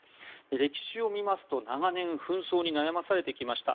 歴史を見ますと長年紛争に悩まされてきました。